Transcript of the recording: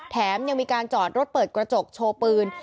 แถมยังมีการจอดรถเปิดกระจกโชว์ปืน